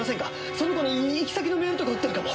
その子に行き先のメールとか打ってるかも！